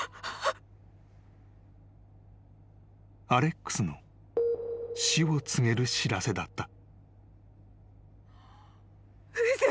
［アレックスの死を告げる知らせだった］